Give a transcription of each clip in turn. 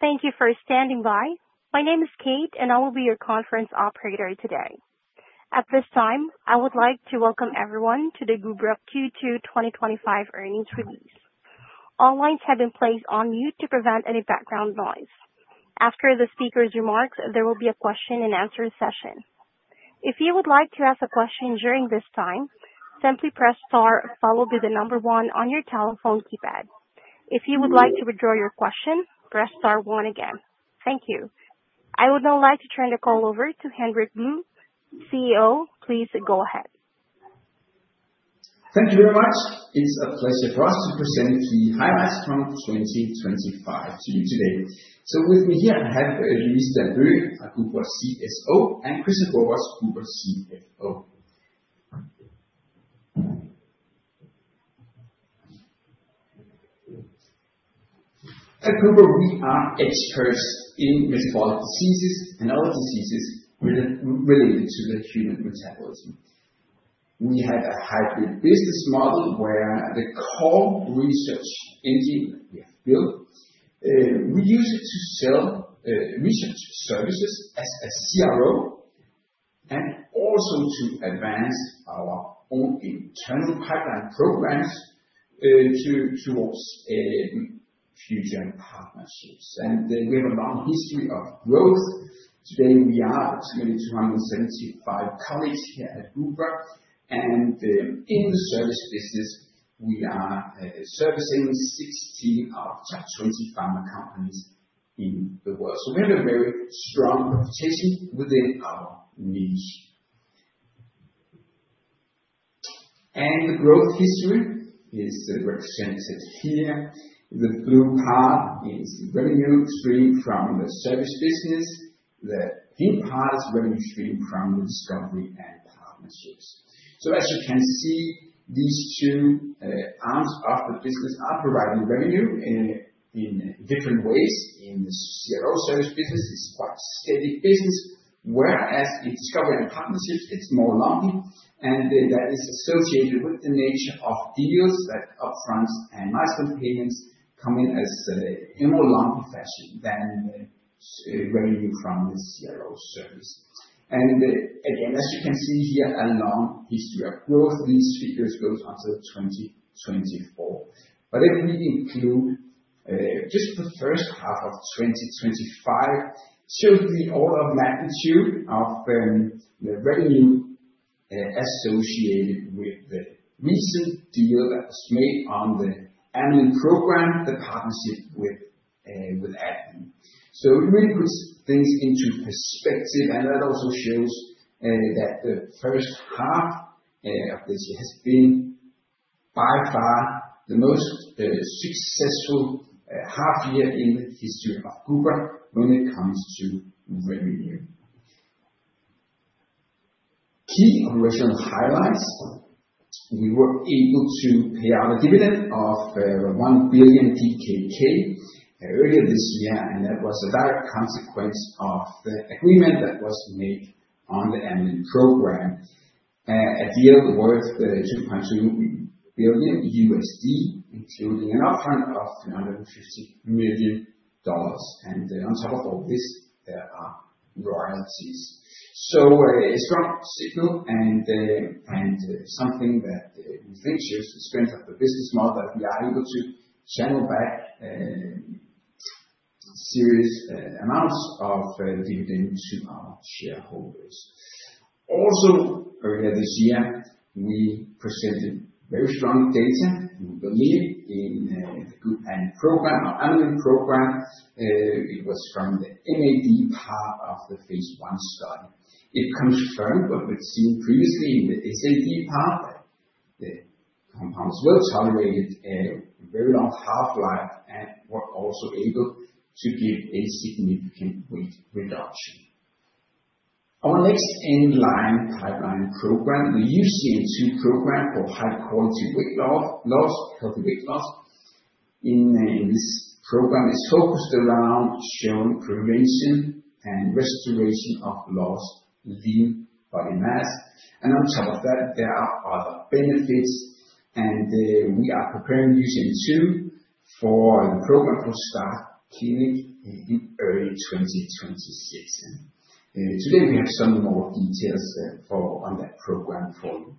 Thank you for standing by. My name is Kate, and I will be your conference operator today. At this time, I would like to welcome everyone to the Gubra Q2 2025 earnings release. All lines have been placed on mute to prevent any background noise. After the speaker's remarks, there will be a question and answer session. If you would like to ask a question during this time, simply press star followed by the number one on your telephone keypad. If you would like to withdraw your question, press star one again. Thank you. I would now like to turn the call over to Henrik Blou, CEO. Please go ahead. Thank you very much. It's a pleasure for us to present the highlights from 2025 to you today. With me here, I have Louise Dalbøge, CSO, and Kristian Borbos, CFO. We are specialized in metabolic diseases and other diseases related to the human metabolism. We had a hybrid business model where the core research engine was built. We use it to sell research services as a CRO and also to advance our own internal pipeline programs towards future partnerships. We have a long history of growth. Today, we are at nearly 275 colleagues here at Gubra. In the service business, we are servicing 16 of the top 20 pharma companies in the world. We have a very strong reputation within our niche. The growth history is represented here. The blue part is revenue stream from the service business. The pink part is revenue stream from Discovery & Partnerships. As you can see, these two arms of the business are providing revenue in different ways. In the CRO service business, it's quite a steady business, whereas in Discovery & Partnerships, it's more long. That is associated with the nature of deals, that upfront and milestone payments come in in a more prolonged fashion than the revenue from the CRO service. As you can see here, a long history of growth. These figures go until 2024, but it will really include just the first half of 2025 to the order of magnitude of the revenue associated with the recent deal that was made on the Amylin program, the partnership with AbbVie. It really puts things into perspective, and that also shows that the first half has been by far the most successful half year in the history of Gubra when it comes to revenue. Taking operational highlights, we were able to pay out a dividend of 1 billion DKK earlier this year, and that was a direct consequence of the agreement that was made on the Amylin program. A deal worth $2.2 billion, including an upfront of $350 million. On top of all this, there are royalties. It's a strong signal and something that reflects the strength of the business model, that we are able to channel back serious amounts of dividends to our shareholders. Also, earlier this year, we presented very strong data in the GUBamy program, amlyin programs. It was from the MAD part of the phase 1 study. It comes from what we've seen previously in the SAD part. The compounds were tolerated, had a very long half-life, and were also able to give a significant weight reduction. Our next in-line pipeline program, the UCN2 program for high-quality weight loss, healthy weight loss. In this program, it's focused around shown prevention and restoration of lost lean body mass. On top of that, there are benefits, and we are preparing UCN2 for a program called starting in early 2026. To give you some more details on that program for you.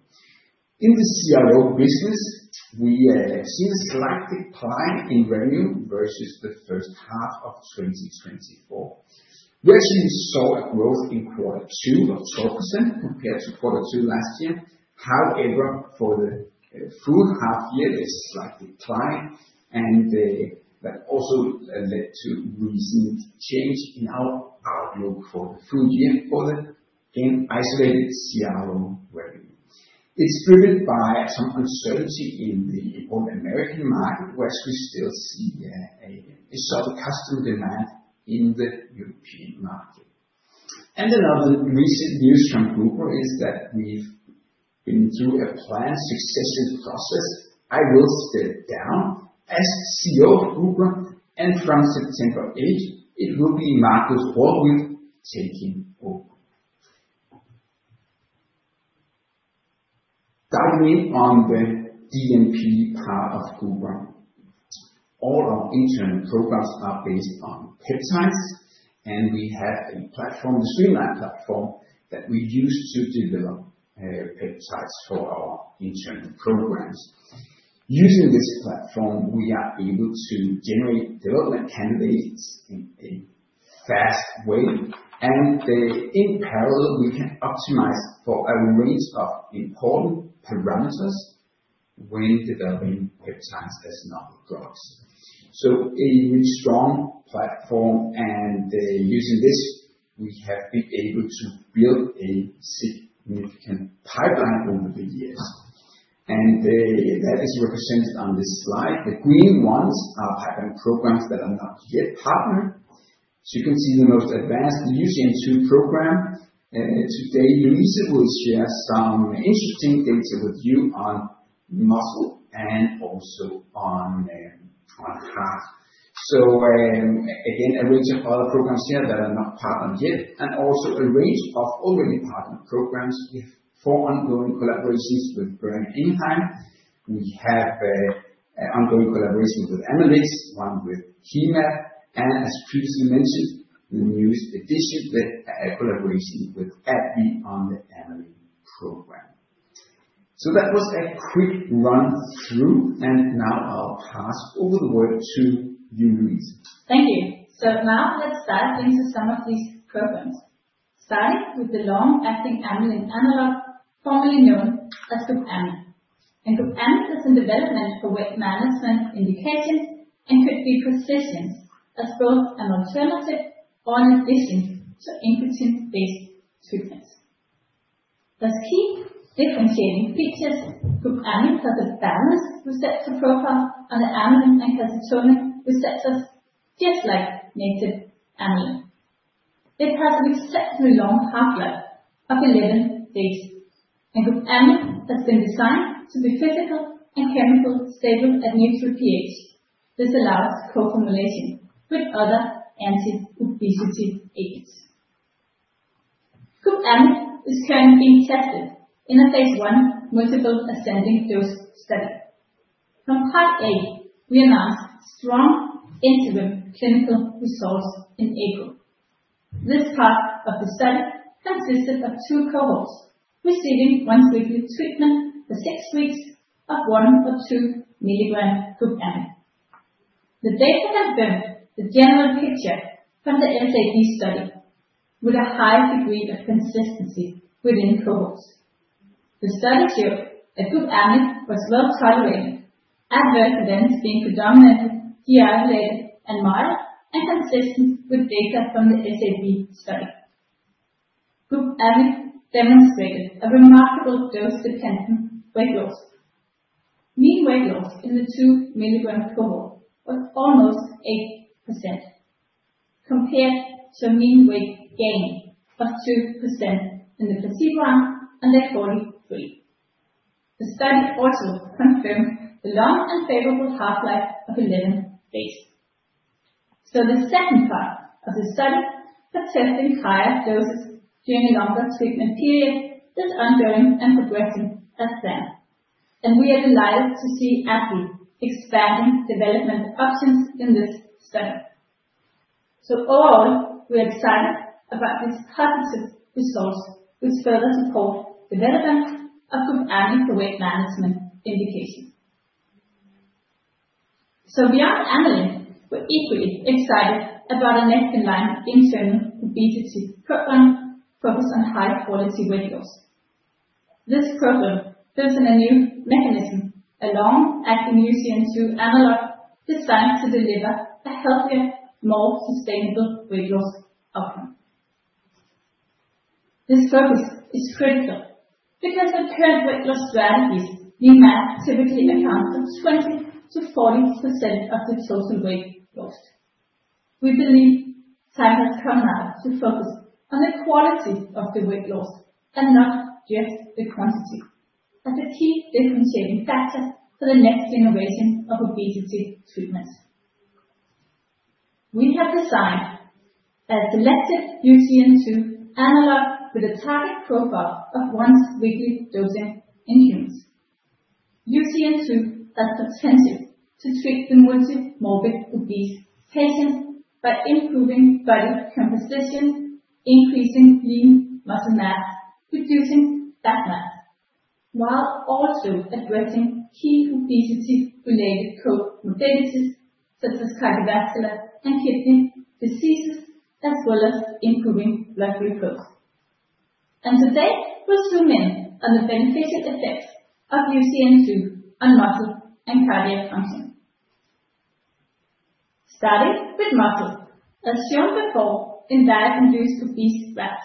In the CRO services business, we see a slight decline in revenue versus the first half of 2024. We actually saw a growth in quarter two of 12% compared to quarter two last year. However, for the full half year, there's a slight decline, and that also led to recent change in our outlook for the full year for the isolated CRO services revenue. It's driven by some uncertainty in the U.S. market, which we still see a sort of customer demand in the European market. Another recent news from Gubra is that we've been through a planned succession process. I will step down as CEO of Gubra, and from September 8, it will be Markus Rohrwild taking over. Diving in on the Discovery & Partnerships segment part of Gubra, all our internal programs are based on PET charts, and we have a platform, the Streamline platform, we use to develop PET charts for our internal programs. Using this platform, we are able to generate delivery candidates in a fast way, and in parallel, we can optimize for a range of important parameters when developing pipelines as another drops. A really strong platform, and using this, we have been able to build a significant pipeline over the year. As represented on this slide, the green ones are the programs that are not yet partnered. You can see the most advanced UCN2 program. Today, Louise will share some interesting data with you on muscle and then also on the contrast. A range of other programs here that are not partnered yet, and also a range of already partnered programs for ongoing collaborations with Boehringer Ingelheim. We have an ongoing collaboration with Amylyx Pharmaceuticals, one with Chema, and as previously mentioned, Louise additionally collaborates with us on the Amylyx Pharmaceuticals program. That was a quick run-through, and now I'll pass over the word to you, Louise. Thank you. Now let's dive into some of these programs. Starting with the long-acting Amylin analogue, formerly known as GUBamy. GUBamy has been developed for weight management indications and could be positioned as both an alternative or an addition to inputs in this treatment. As key differentiating features, GUBamy has a balanced receptor profile under Amylin and calcitonin receptors, just like native Amylin. It passes a reasonably long pipeline of 11 days. GUBamy has been designed to be fitted for a chemical stable at neutral pH. This allows co-cumulation with other anti-obesity agents. GUBamy is found in testing in a phase 1 multiple ascending dose study. From part A, we announced strong interim clinical results in April. This part of the study consisted of two cohorts, receiving one weekly treatment for six weeks of one or two mg of GUBamy. The data confirmed the general literature from the NAD study, with a high degree of consistency within cohorts. The study showed that GUBamy was well tolerated, not very pronounced, being predominantly GI-related or mild, and consistent with data from the SAB study. GUBamy demonstrated a remarkable dose-dependent weight loss. Mean weight loss in the two mg cohort was almost 8%, compared to mean weight gain of 2% in the placebo arm and the core group. The study also confirmed the long and favorable half-life of 11 days. The second part of the study attempting higher doses during the longer treatment period is ongoing and progressing up there. We are delighted to see our group expanding development options in this study. Overall, we're excited about this cognitive resource with further support development of GUBamy for weight management indication. We are equally excited about an in-line internal obesity program focused on high-quality weight loss. This program builds on a new mechanism, a long-acting UCN2 analogue designed to deliver a healthier, more sustainable weight loss outcome. This program is critical because the current weight loss strategies do not typically account for 20%-40% of the total weight loss. We believe time has come now to focus on the quality of the weight loss and not just the quantity of the key differentiating factor for the next generation of obesity treatments. We have designed a selective UCN2 analogue with a target profile of one weekly dosing in humans. UCN2 has potential to treat the multi-morbid obese patients by improving body composition, increasing lean muscle mass, reducing fat mass, while also addressing key obesity-related comorbidities such as cardiovascular and kidney diseases as well as improving blood glucose. Today, let's zoom in on the beneficial effects of UCN2 on muscle and cardiac function. Starting with muscle, as shown before in diagnosed obese rats,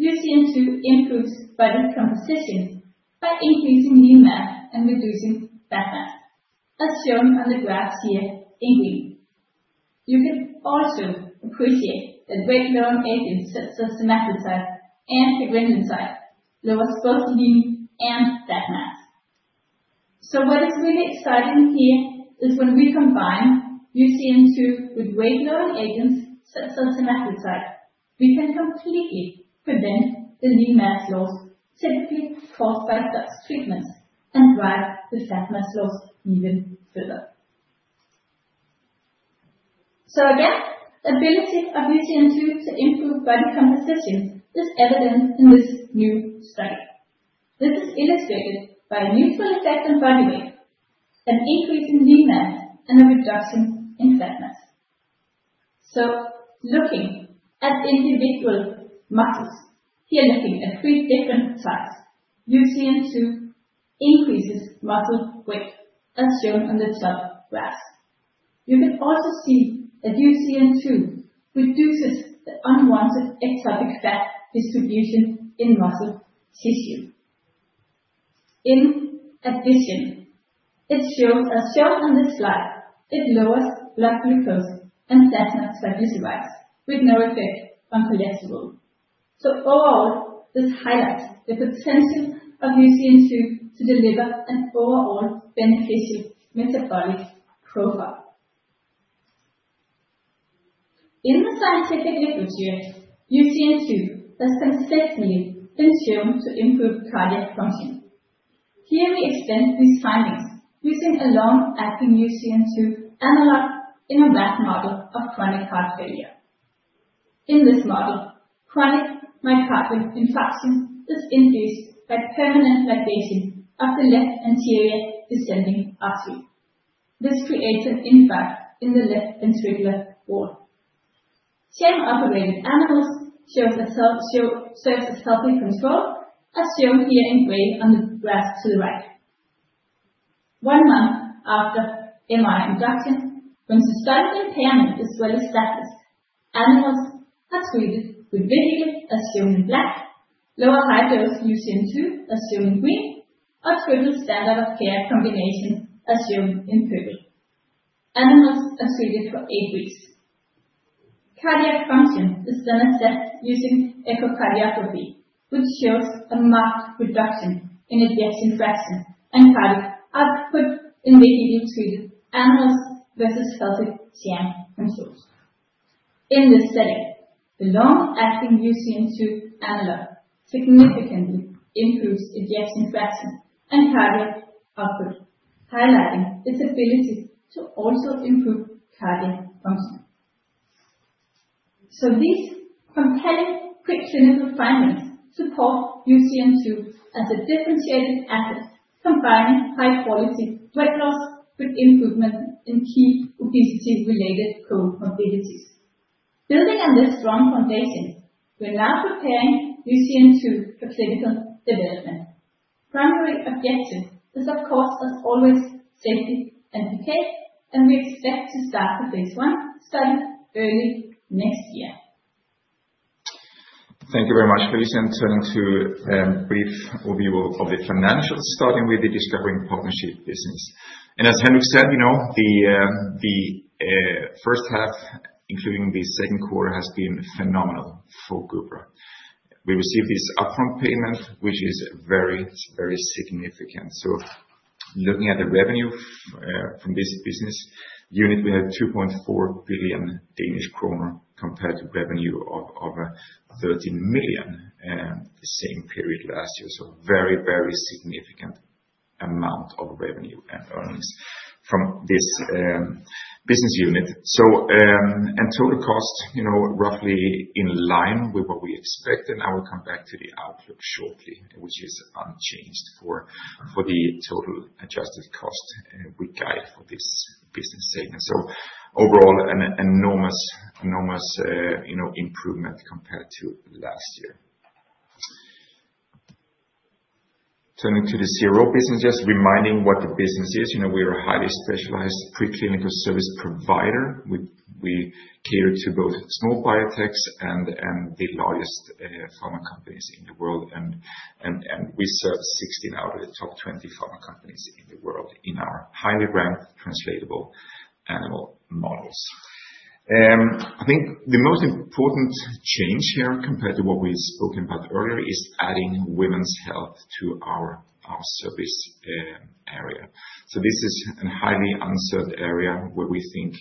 UCN2 improves body composition by increasing lean mass and reducing fat mass, as shown on the graph here in green. You can also appreciate that weight-lowering agents such as semaglutide and [fibrinolipid] lower both lean and fat mass. What is really exciting here is when we combine UCN2 with weight-lowering agents such as semaglutide, we can completely prevent the lean mass loss typically caused by gut treatments and drive the fat mass loss even further. The ability of UCN2 to improve body composition is evident in this new study. This is illustrated by a neutral effect on body weight and increasing lean mass and a reduction in fat mass. Looking at individual muscles, here looking at three different types, UCN2 increases muscle weight, as shown on the top graphs. You can also see that UCN2 reduces unwanted ectopic fat distribution in muscle tissue. In addition, as shown on this slide, it lowers blood glucose and fat mass by using rats with no effect on cholesterol. Overall, this highlights the potential of UCN2 to deliver an overall beneficial metabolic profile. In the scientific literature, UCN2 has been secondly shown to improve cardiac function. Here we extend these findings using a long-acting UCN2 analogue in a rat model of chronic heart failure. In this model, chronic myocardial infarction is induced by permanent ligation of the left anterior descending artery. This creates an infarct in the left ventricular wall. Sham-operated animals serve as a sulfate control, as shown here in green on the graph to the right. One month after MI induction, when systolic impairment is really stressed, animals are treated with vehicle, as shown in black, low or high dose UCN2, as shown in green, or total standard of care combination, as shown in purple. Animals are treated for eight weeks. Cardiac function is then assessed using echocardiography, which shows a marked reduction in ejection fraction and cardiac output in the MI treated animals versus healthy sham control. In this setting, the long-acting UCN2 analogue significantly improves ejection fraction and cardiac output, highlighting its ability to also improve cardiac function. These compelling preclinical findings support UCN2 as a differentiated effort combining high-quality weight loss with improvement in key obesity-related comorbidities. Building on this strong foundation, we are now preparing UCN2 for clinical development. Primary objective is, of course, as always, safety and decay, and we expect to start the phase 1 study early next year. Thank you very much, Louise. I'm turning to a brief overview of the financials, starting with the Discovery & Partnerships segment. As Henrik said, the first half, including the second quarter, has been phenomenal for Gubra. We received this upfront payment, which is very, very significant. Looking at the revenue from this business unit, we had 2.4 billion Danish kroner compared to revenue of over 30 million in the same period last year. A very, very significant amount of revenue and earnings from this business unit. Total cost is roughly in line with what we expect. I will come back to the outlook shortly, which is unchanged for the total adjusted cost we got for this business segment. Overall, an enormous improvement compared to last year. Turning to the CRO services business, reminding what the business is. We're a highly specialized preclinical service provider. We cater to both small biotechs and the largest pharma companies in the world. We serve 16 out of the top 20 pharma companies in the world in our highly brand translatable animal models. I think the most important change here compared to what we spoke about earlier is adding women's health to our service area. This is a highly unserved area where we think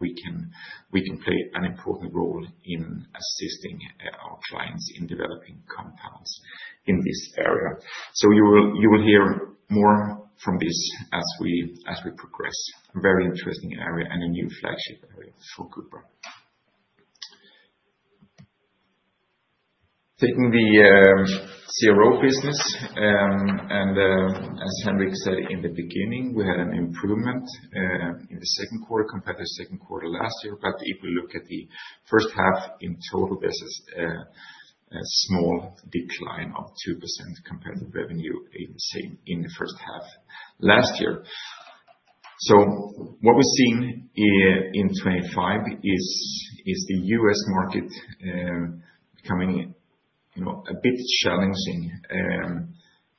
we can play an important role in assisting our clients in developing compounds in this area. You will hear more from this as we progress. A very interesting area and a new flagship area for Gubra. Taking the CRO services business, and as Henrik said in the beginning, we had an improvement in the second quarter compared to the second quarter last year. If we look at the first half in total, there's a small decline of 2% compared to revenue in the first half last year. What we're seeing in 2025 is the U.S. market becoming a bit challenging.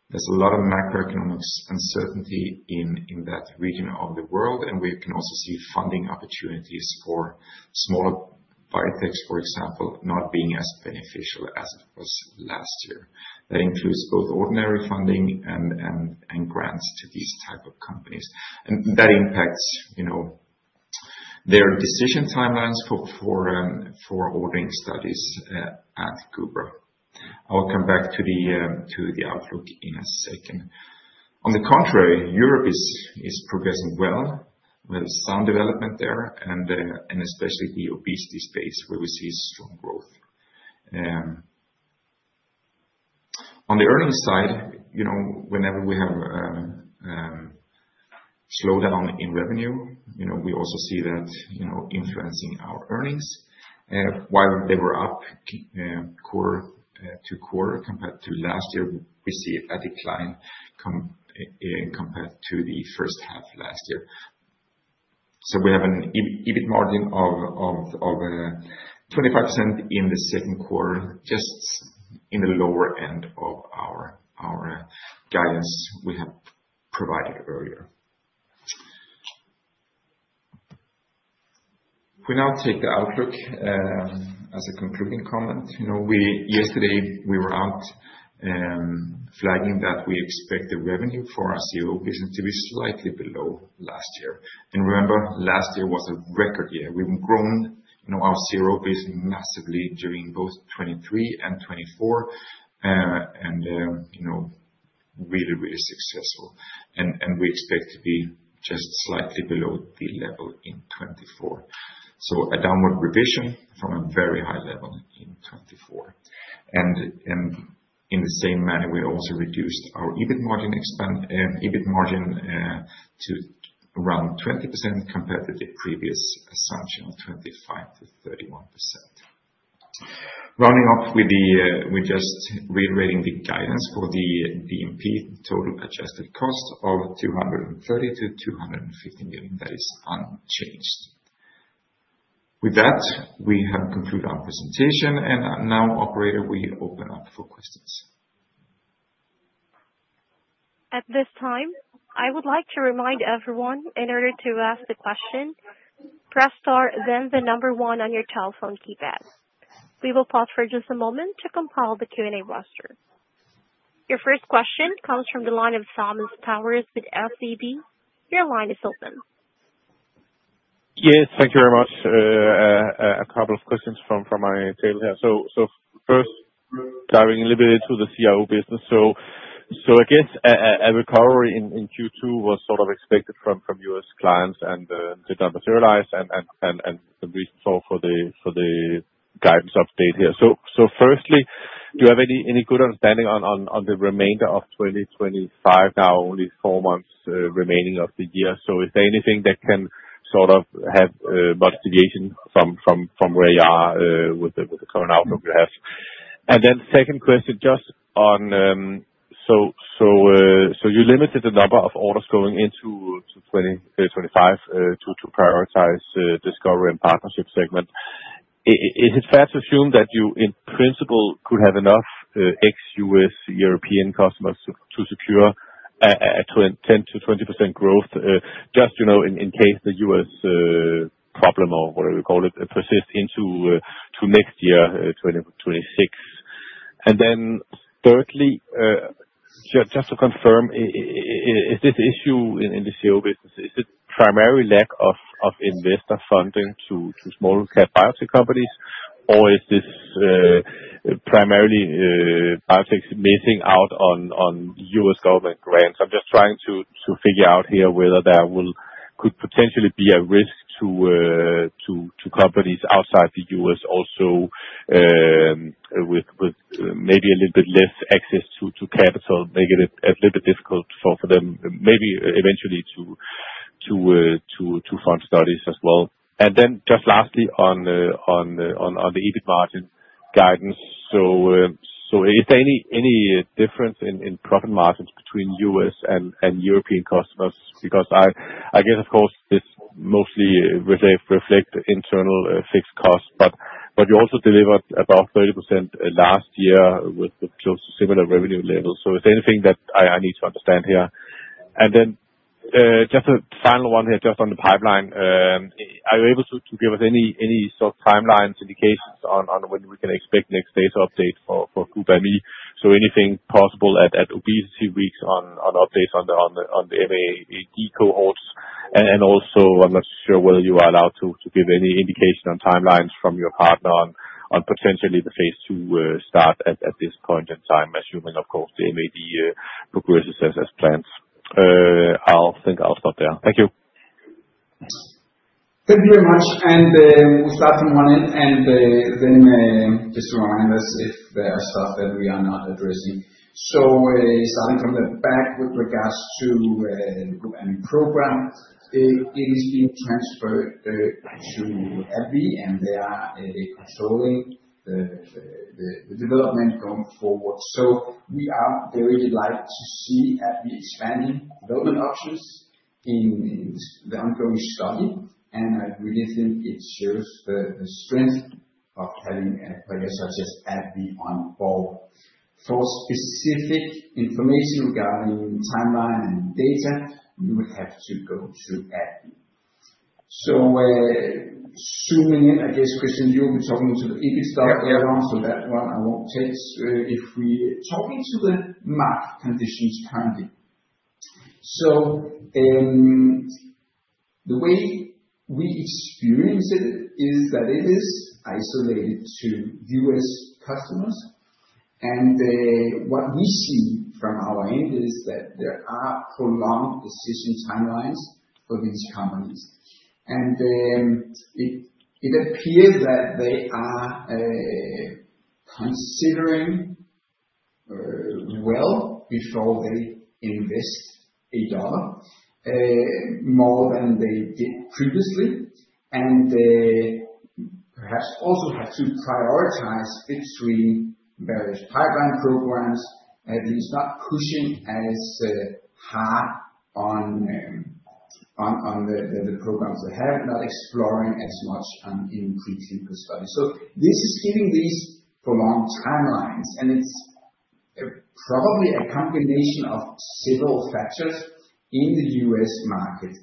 There's a lot of macroeconomic uncertainty in that region of the world. We can also see funding opportunities for smaller biotechs, for example, not being as beneficial as it was last year. That includes both ordinary funding and grants to these types of companies. That impacts their decision timelines for ordering studies at Gubra. I'll come back to the outlook in a second. On the contrary, Europe is progressing well with some development there, especially the obesity space where we see strong growth. On the earnings side, whenever we have a slowdown in revenue, we also see that influencing our earnings. While they were up core to core compared to last year, we see a decline compared to the first half last year. We have an EBIT margin of 25% in the second quarter, just in the lower end of our guidance we had provided earlier. We now take the outlook as a concluding comment. Yesterday, we were out flagging that we expect the revenue for our CRO services business to be slightly below last year. Remember, last year was a record year. We've grown our CRO services business massively during both 2023 and 2024, and really, really successful. We expect to be just slightly below the level in 2024, a downward revision from a very high level in 2024. In the same manner, we also reduced our EBIT margin to around 20% compared to the previous such 25% to 31%. Rounding off, we're just rewriting the guidance for the DMP, total adjusted cost of 230 million-250 million. That is unchanged. With that, we have concluded our presentation. Now, operator, we open up for questions. At this time, I would like to remind everyone, in order to ask the question, press star, then the number one on your telephone keypad. We will pause for just a moment to compile the Q&A roster. Your first question comes from the line of Thomas Bowers with SEB. Your line is open. Yes, thank you very much. A couple of questions from my table here. First, diving a little bit into the CRO services business. Again, a recovery in Q2 was sort of expected from U.S. clients and did not materialize, and we fall for the guidance update here. Firstly, do you have any good understanding on the remainder of 2025? Now only four months remaining of the year. Is there anything that can sort of have much deviation from where you are with the current outlook you have? Second question, just on, you limited the number of orders going into 2025 to prioritize the Discovery & Partnerships segment. Is it fair to assume that you, in principle, could have enough ex-U.S. European customers to secure a 10%-20% growth, just in case the U.S. problem or whatever you call it persists into next year, 2026? Thirdly, just to confirm, is this issue in the CRO services business primarily lack of investor funding to small-cap biotech companies, or is this primarily biotechs missing out on U.S. government grants? I'm just trying to figure out whether there could potentially be a risk to companies outside the U.S. also, with maybe a little bit less access to capital, making it a little bit difficult for them maybe eventually to fund studies as well. Lastly, on the EBIT margin guidance, is there any difference in profit margins between U.S. and European customers? I guess, of course, this mostly reflects internal fixed costs, but you also delivered about 30% last year with close to similar revenue levels. Is there anything that I need to understand here? Just a final one here, on the pipeline, are you able to give us any sort of timeline indications on when we can expect the next data update for GUBamy? Anything possible at Obesity Week on updates on the MAD cohorts? Also, I'm not sure whether you are allowed to give any indication on timelines from your partner on potentially the phase 2 start at this point in time, assuming, of course, the MAD progresses as planned. I think I'll stop there. Thank you. Thank you very much. We'll start in one minute, and just to remind us if there are stuff that we are not addressing. Starting from the back with regards to the GUBamy program, it is being transferred to AbbVie, and they are controlling the development from forward. We really like to see AbbVie's channel development options in the ongoing study. I really think it shows the strength of having a partner such as AbbVie on board. For specific information regarding timeline and data, you would have to go through AbbVie. Zooming in, I guess, Kristian, you've been talking to the EBIT stuff. We have asked for that one. I won't tell if we're talking to the market conditions currently. The way we experience it is that it is isolated to U.S. customers. What we see from our end is that there are prolonged decision timelines for these companies. It appears that they are considering well before they invest a dollar more than they did previously. They perhaps also had to prioritize industry-based pipeline programs, at least not pushing as hard on the programs they have, not exploring as much on in-patient studies. This is giving these prolonged timelines. It's probably a combination of several factors in the U.S. market.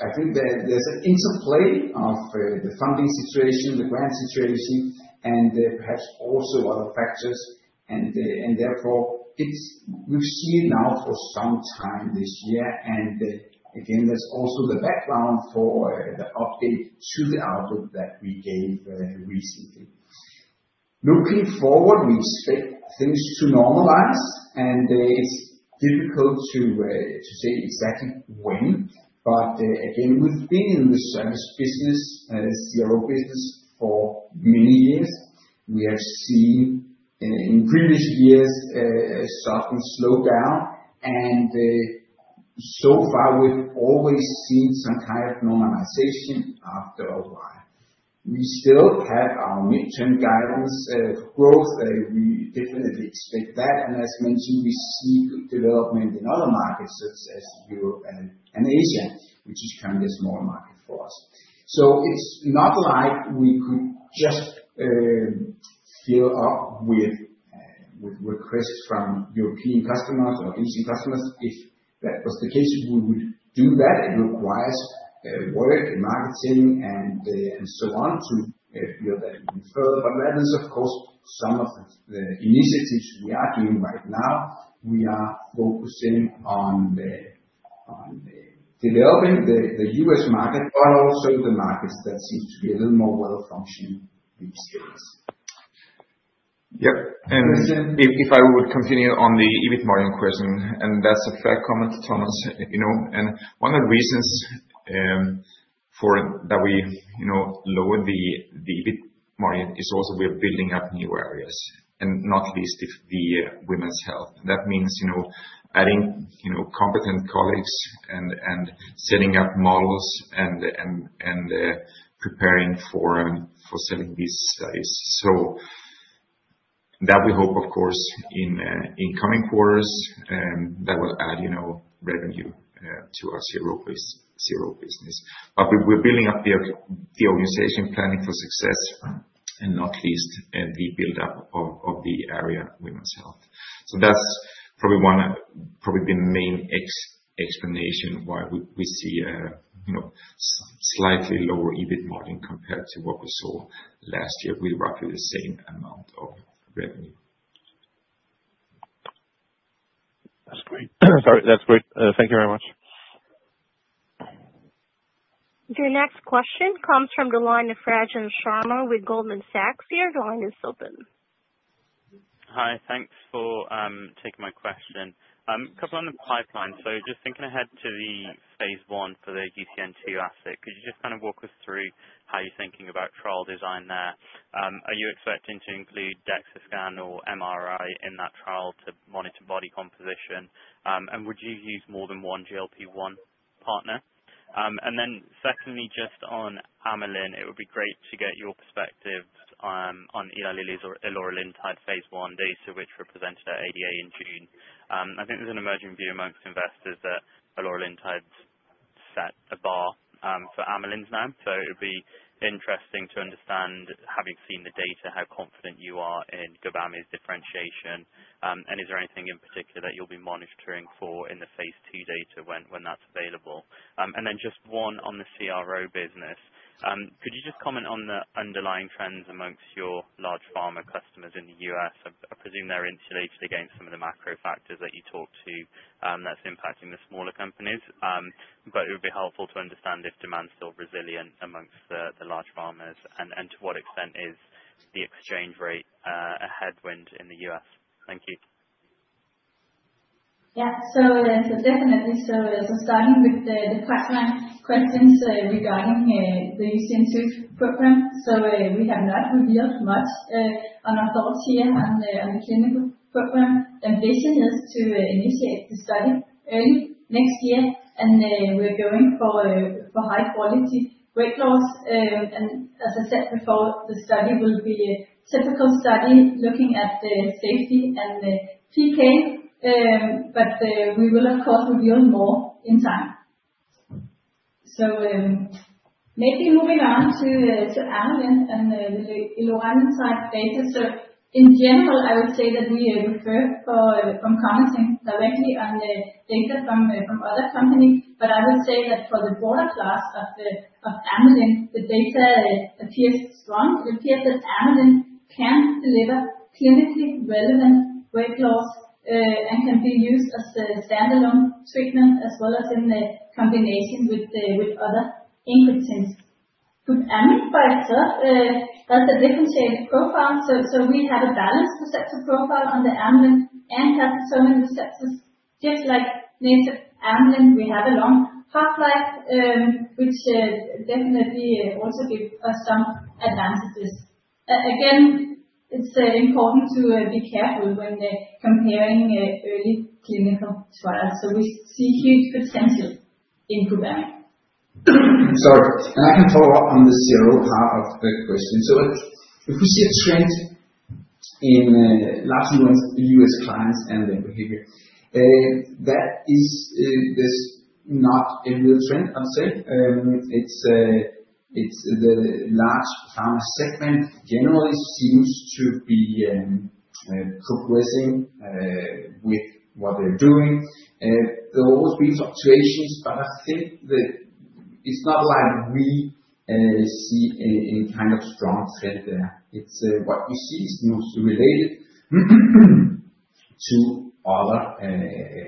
I think there's an interplay of the funding situation, the grant situation, and perhaps also other factors. Therefore, we've seen it now for some time this year. That's also the background for the update to the outlook that we gave very recently. Looking forward, we expect things to normalize. It's difficult to say exactly when. We've been in the service business, the CRO business, for many years. We have seen in previous years a sudden slowdown. So far, we've always seen some kind of normalization after a while. We still have our midterm guidance growth. We definitely expect that. As mentioned, we see good development in other markets such as Europe and Asia, which is kind of a small market for us. It's not like we could just fill up with requests from European customers or Asian customers. If that was the case, we would do that. It requires work, marketing, and so on to fill that need further. That is, of course, some of the initiatives we are doing right now. We are focusing on developing the U.S. market, but also the markets that seem to be a little more well-functioning with the U.S. Yeah. If I would continue on the EBIT margin question, that's a fair comment to tell us. One of the reasons that we lowered the EBIT margin is also we're building up new areas, not least the women's health. That means adding competent colleagues and setting up models and preparing for selling these studies. We hope, of course, in incoming quarters, that will add revenue to our CRO services business. We're building up the organization planning for success, not least the build-up of the area women's health. That's probably one of the main explanations why we see a slightly lower EBIT margin compared to what we saw last year with roughly the same amount of revenue. That's great. Thank you very much. Your next question comes from the line of Rajam Sharma with Goldman Sachs. The line is open. Hi. Thanks for taking my question. A couple on the pipeline. Just thinking ahead to the phase 1 for the UCN2 asset, could you just kind of walk us through how you're thinking about trial design there? Are you expecting to include DEXA scan or MRI in that trial to monitor body composition? Would you use more than one GLP-1 partner? Secondly, just on Amylin, it would be great to get your perspectives on Eli Lilly or eloralintide phase 1 data, which were presented at ADA in June. I think there's an emerging view amongst investors that eloralintides set a bar for Amylins now. It would be interesting to understand, having seen the data, how confident you are in GUBamy's differentiation. Is there anything in particular that you'll be monitoring for in the phase 2 data when that's available? Just one on the CRO business. Could you comment on the underlying trends amongst your large pharma customers in the U.S.? I presume they're insulated against some of the macro factors that you talked to that's impacting the smaller companies. It would be helpful to understand if demand's still resilient amongst the large pharmas and to what extent is the exchange rate a headwind in the U.S. Thank you. Yeah. It's definitely serious. Starting with the questions regarding the UCN2 program, we have not revealed much on our thoughts here on the clinical program. Ambition is to initiate the study early next year, and we're going for high-quality weight loss. As I said before, the study will be super concerning, looking at safety and PK. We will, of course, reveal more in time. Maybe moving on to Amylin and the eloralintide data, in general, I would say that we refer for oncology directly on data from other companies. I would say that for the broader class of Amylin, the data appears strong. It appears that Amylin can deliver clinically relevant weight loss and can be used as a standalone treatment as well as in a combination with other input things. GUBamy for itself has a differentiated profile. We have a balanced processor profile on the Amylin and the solenoid substance, just like native Amylin. We have a long half-life, which definitely also gives us some advantages. It's important to be careful when comparing early clinical trials. We see huge potential in GUBamy. I'd like to follow up on the CRO part of the question. If we see a trend in last year when U.S. clients and their behavior, that is not a real trend, I'd say. The large pharma segment generally seems to be progressing with what they're doing. There will always be fluctuations, but I think it's not like we see any kind of strong trend there. What we see is mostly related to other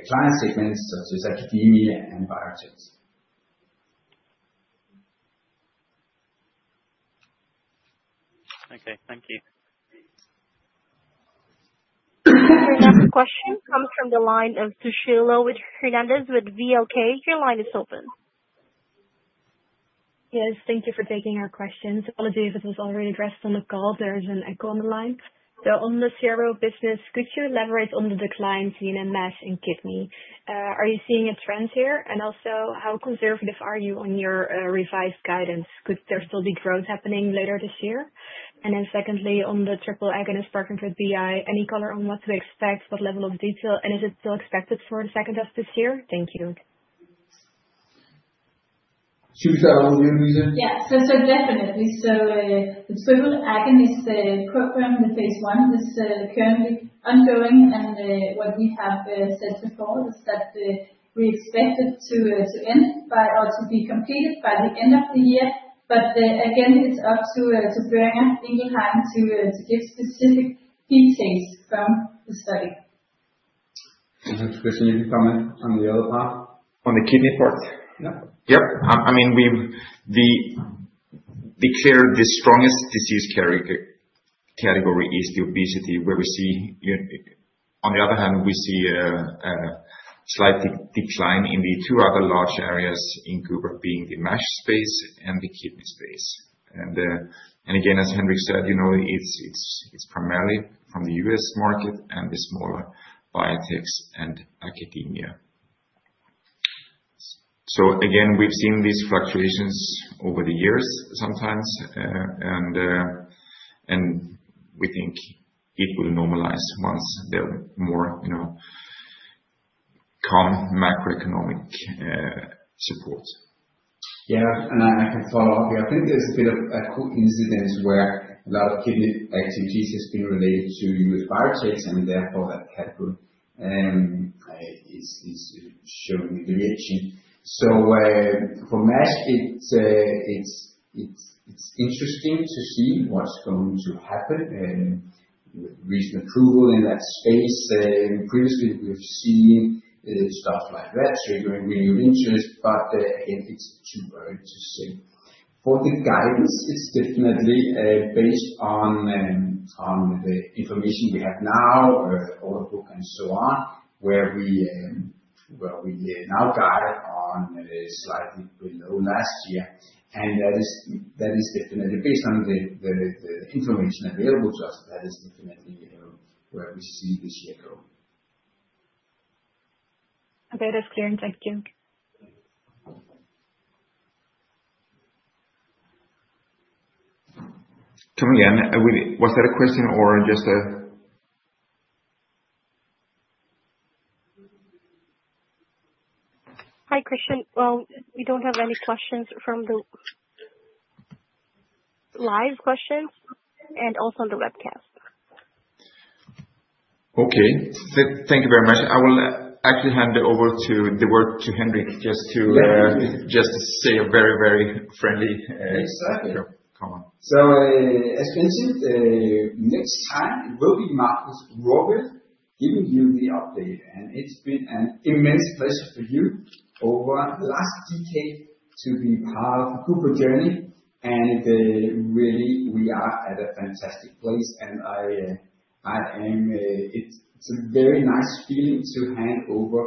clients, like for instance, academia and biotech. Okay, thank you. We have a rapid question. It comes from the line of Sushila Hernandez with VLK. Your line is open. Yes. Thank you for taking our questions. Apologies, this was already addressed on the call. There is an echo on the line. On the CRO services business, could you elaborate on the decline seen in the mass and kidney? Are you seeing a trend here? Also, how conservative are you on your revised guidance? Could there still be growth happening later this year? Secondly, on the triple agonist partnered with Boehringer Ingelheim, any color on what to expect, what level of detail, and is it still expected for the second half of this year? Thank you. Should we start over, Louise, then? Yeah. Definitely. The triple agonist program, the phase 1, is currently ongoing. What we have said before is that we expect it to end, also be completed by the end of the year. Again, it's up to Boehringer Ingelheim to give specific details from the study. Kristian, you can comment on the other part on the kidney part. Yeah. I mean, we've declared the strongest disease category is the obesity, where we see, on the other hand, we see a slight decline in the two other large areas in Gubra, being the mass space and the kidney space. Again, as Henrik said, you know it's primarily from the U.S. market and the smaller biotechs and academia. We've seen these fluctuations over the years sometimes, and we think it will normalize once there are more prompt macroeconomic support. I think there's been a coincidence where a lot of kidney activities have been related to U.S. biotechs, and therefore, it's showing the reaction. For mass, it's interesting to see what's going to happen. We've reached approval in that space. Previously, we've seen stuff like that during renewal interests, but I guess it's too early to say. For the guidance, it's definitely based on the information we have now, our book, and so on, where we now guide on slightly below last year. That is definitely based on the information available to us. That is definitely where we see this year going. Okay. That's clear. Thank you. Was that a question or just a? Hi, Kristian. We don't have any questions from the live questions and also on the webcast. Okay. Thank you very much. I will hand it over to Henrik just to say a very, very friendly comment. As Kristian, next time it will be Markus Rohrwild giving you the update. It has been an immense pleasure for me over the last decade to be part of the Gubra journey. We are at a fantastic place, and it is a very nice feeling to hand over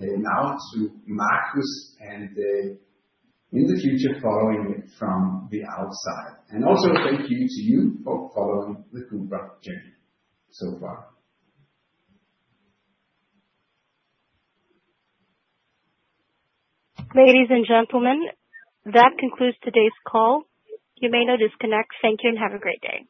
now to Michael and in the future follow it from the outside. Thank you to you for following the Gubra journey so far. Ladies and gentlemen, that concludes today's call. You may now disconnect. Thank you and have a great day.